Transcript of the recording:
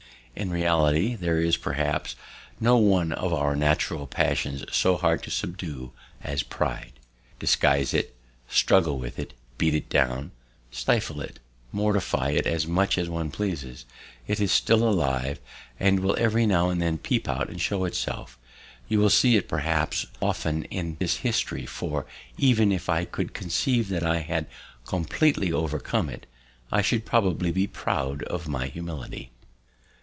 In reality, there is, perhaps, no one of our natural passions so hard to subdue as pride. Disguise it, struggle with it, beat it down, stifle it, mortify it as much as one pleases, it is still alive, and will every now and then peep out and show itself; you will see it, perhaps, often in this history; for, even if I could conceive that I had compleatly overcome it, I should probably be proud of my humility.